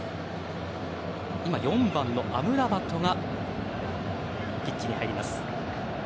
今、４番のアムラバトがピッチに入ります。